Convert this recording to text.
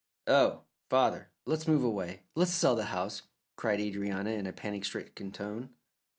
"Oh, father, let's move away; let's sell the house," cried Adrianna in a panic stricken tone.